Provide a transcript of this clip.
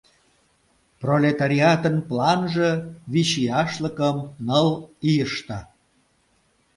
Пролетариатын планже — «Вичияшлыкым — ныл ийыште!»